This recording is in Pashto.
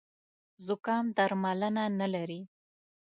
زوکام درملنه نه لري